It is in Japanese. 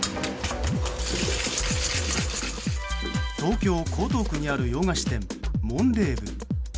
東京・江東区にある洋菓子店モンレーヴ。